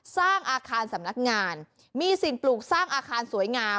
สร้างอาคารสำนักงานมีสิ่งปลูกสร้างอาคารสวยงาม